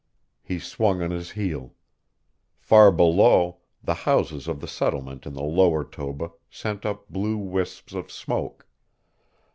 He swung on his heel. Far below, the houses of the settlement in the lower Toba sent up blue wisps of smoke.